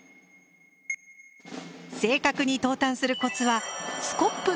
正確に投炭するコツはスコップの使い方。